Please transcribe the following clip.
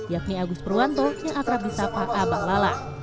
yakni agus purwanto yang akrab di sapa abah lala